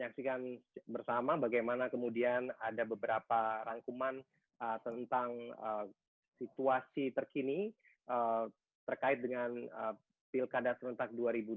menyaksikan bersama bagaimana kemudian ada beberapa rangkuman tentang situasi terkini terkait dengan pilkada serentak dua ribu dua puluh